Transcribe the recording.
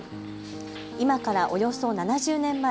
今からおよそ７０年前、